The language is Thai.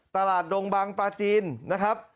ดงบังปลาจีนนะครับ